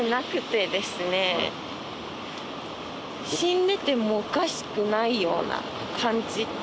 死んでてもおかしくないような感じって。